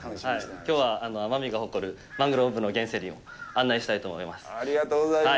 きょうは奄美が誇るマングローブの原生林を案内したいと思います。